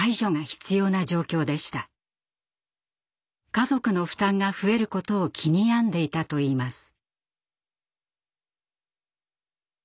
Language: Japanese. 家族の負担が増えることを気に病んでいたといいます。